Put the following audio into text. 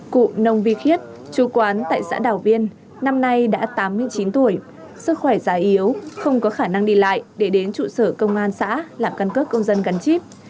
cụ nông vi khiết chú quán tại xã đảo viên năm nay đã tám mươi chín tuổi sức khỏe già yếu không có khả năng đi lại để đến trụ sở công an xã làm căn cước công dân gắn chip